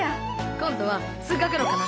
今度は通学路かな。